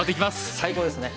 最高ですね。